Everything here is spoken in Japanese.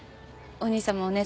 お兄さま